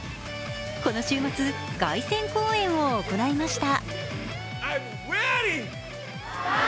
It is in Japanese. この週末、凱旋公演を行いました。